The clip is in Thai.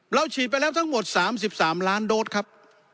ฉีดไปแล้วทั้งหมด๓๓ล้านโดสครับ